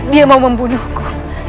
dia mau membunuh aku